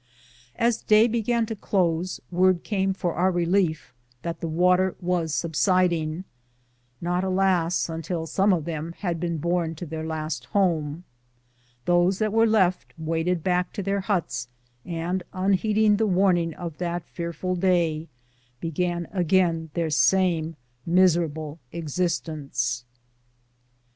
As day began to close, word came for our relief that the water was subsiding; not, alas, until some of them had been borne to their last home. Those that were left waded back to their huts, and, unheeding the warn ing of that fearful day, began again their same miserable existence.